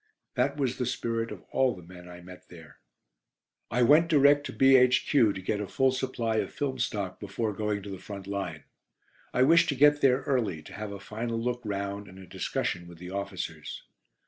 That was the spirit of all the men I met there. I went direct to B.H.Q. to get a full supply of film stock before going to the front line. I wished to get there early, to have a final look round and a discussion with the officers.